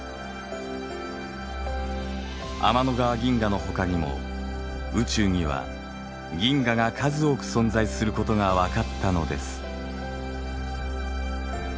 天の川銀河のほかにも宇宙には銀河が数多く存在することがわかったのです。